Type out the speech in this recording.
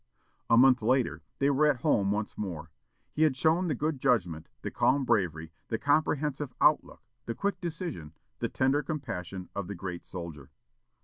A month later, they were at home once more. He had shown the good judgment, the calm bravery, the comprehensive outlook, the quick decision, the tender compassion of the great soldier.